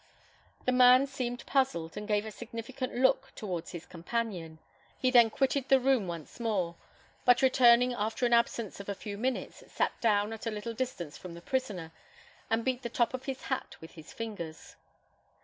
The man seemed puzzled, and gave a significant look towards his companion. He then quitted the room once more; but returning after an absence of a few minutes, sat down at a little distance from the prisoner, and beat the top of his hat with his fingers.